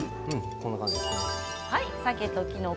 こんな感じですね。